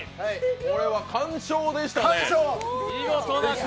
これは完勝でしたね。